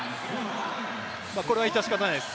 これは致し方ないです。